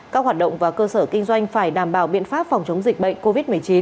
các hoạt động và cơ sở kinh doanh phải đảm bảo biện pháp phòng chống dịch bệnh covid một mươi chín